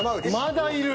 まだいる？